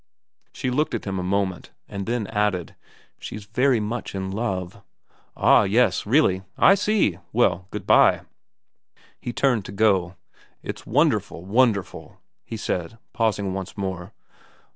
She looked at him a moment, and then added, ' She's very much in love.' ' Ah. Yes. Really. I see. Well, good bye.' He turned to go. ' It's wonderful, wonderful,' he said, pausing once more.